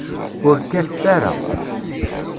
Ur kkatet ara.